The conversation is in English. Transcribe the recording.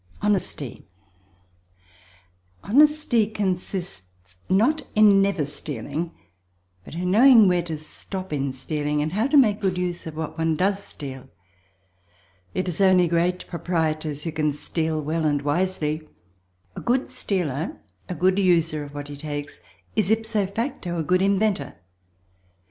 Honesty Honesty consists not in never stealing but in knowing where to stop in stealing, and how to make good use of what one does steal. It is only great proprietors who can steal well and wisely. A good stealer, a good user of what he takes, is ipso facto a good inventor.